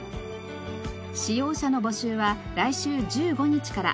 使用者の募集は来週１５日から。